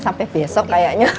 sampai besok kayaknya